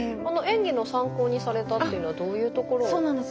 演技の参考にされたっていうのはどういうところを？